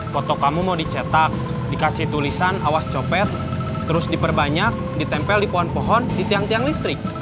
foto kamu mau dicetak dikasih tulisan awas copet terus diperbanyak ditempel di pohon pohon di tiang tiang listrik